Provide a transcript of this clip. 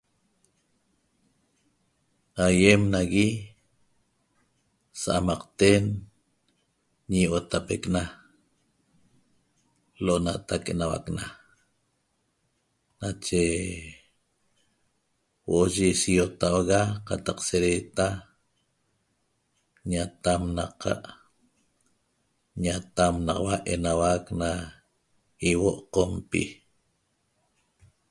Aýem nagui sa'amaqten ñi Io'otapecna Lo'onatac Enauacna nache huo'o ye siotauga qataq sereta ñatamnaqa' ñatamnaxaua enauac na ihuo' qompi